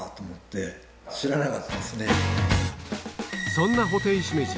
そんなホテイシメジ